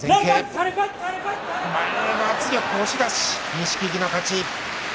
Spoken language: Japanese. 錦木の勝ち。